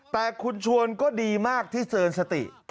แต่คุณชวนก็ดีมากที่เซินสติ